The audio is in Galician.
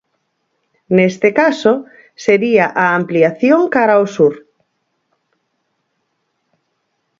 Neste caso, sería a ampliación cara ao sur.